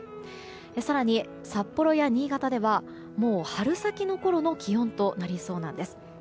更に、札幌や新潟ではもう春先のころの気温となりそうなんです。